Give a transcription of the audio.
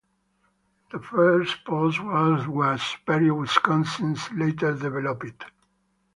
The first post was where Superior, Wisconsin, later developed.